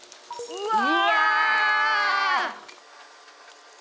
うわ！